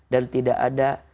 dan tidak ada